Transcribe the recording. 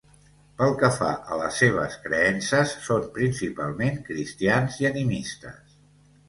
Pel que fa a les seves creences, són principalment cristians i animistes.